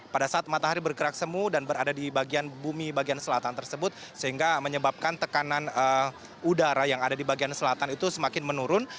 pada saat matahari bergerak semu dan berada di bagian bumi bagian selatan tersebut sehingga menyebabkan tekanan udara yang ada di bagian selatan itu semakin menurun